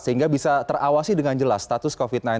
sehingga bisa terawasi dengan jelas status covid sembilan belas